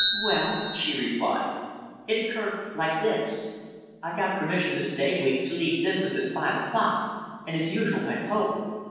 "Well," she replied, "it occurred like this. I got permission this day week to leave business at five o'clock, and, as usual, went home.